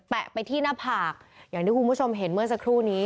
ไปที่หน้าผากอย่างที่คุณผู้ชมเห็นเมื่อสักครู่นี้